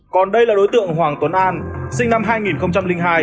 còn đây là đối tượng hoàng tuấn an sinh năm hai nghìn hai